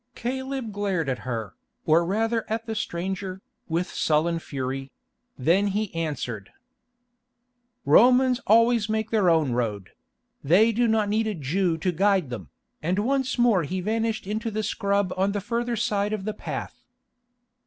Caleb glared at her, or rather at the stranger, with sullen fury; then he answered: "Romans always make their own road; they do not need a Jew to guide them," and once more he vanished into the scrub on the further side of the path.